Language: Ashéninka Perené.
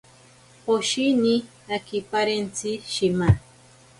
Poshini akiparentsi shima.